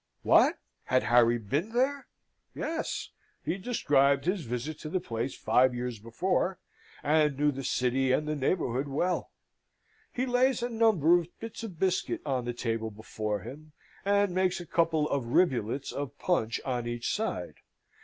What, had Harry been there? Yes. He described his visit to the place five years before, and knew the city, and the neighbourhood, well. He lays a number of bits of biscuit on the table before him, and makes a couple of rivulets of punch on each side.